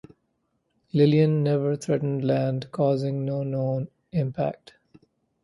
Lillian never threatened land, causing no known impact.